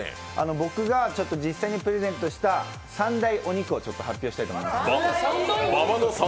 僕が実際にプレゼントした３大お肉を発表したいと思います。